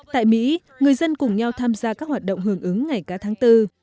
tại mỹ người dân cùng nhau tham gia các hoạt động hưởng ứng ngày cả tháng bốn